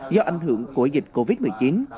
do ảnh hưởng của dịch covid một mươi chín